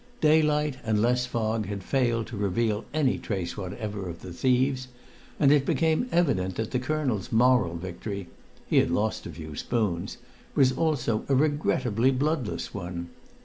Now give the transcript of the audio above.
Daylight and less fog had failed to reveal any trace whatever of the thieves, and it became evident that the colonel's moral victory (he had lost a few spoons) was also a regrettably bloodless one.